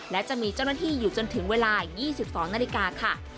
และจะมีเจ้าหน้าที่อยู่จนถึงเวลา๒๒นาฬิกาค่ะ